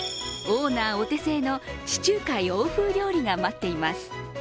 オーナーお手製の地中海欧風料理が待っています。